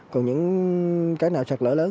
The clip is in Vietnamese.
còn những cái nào xạc lỡ lớn